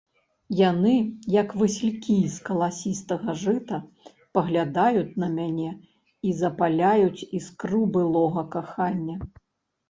Яны, як васількі з каласістага жыта, паглядаюць на мяне і запаляюць іскру былога кахання.